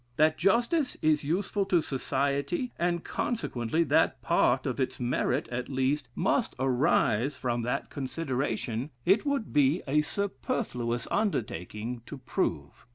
That justice is useful to society, and consequently that part of its merit, at least, must arise from that consideration, it would be a superfluous undertaking to prove.